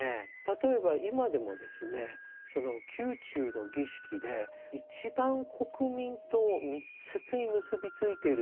例えば今でもですねその宮中の儀式で一番国民と密接に結び付いているのは歌会始なんですね。